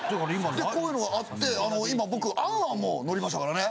こういうのがあっていま僕『ａｎ・ａｎ』も載りましたからね。